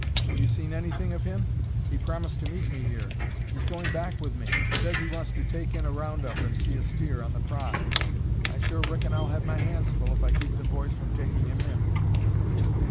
Have you seen anything of him? He promised to meet me here. He's going back with me; says he wants to take in a round up and see a steer on the prod. I sure reckon I'll have my hands full if I keep the boys from taking him in."